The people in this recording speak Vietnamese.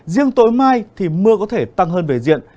riêng tối mai thì mưa có thể tăng hơn về diện